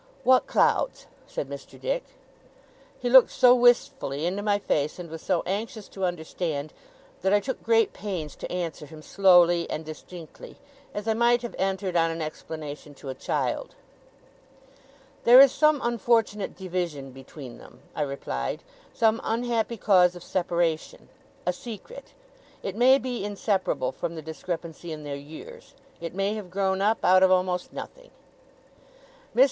'What clouds?' said Mr. Dick. He looked so wistfully into my face, and was so anxious to understand, that I took great pains to answer him slowly and distinctly, as I might have entered on an explanation to a child. 'There is some unfortunate division between them,' I replied. 'Some unhappy cause of separation. A secret. It may be inseparable from the discrepancy in their years. It may have grown up out of almost nothing.' Mr.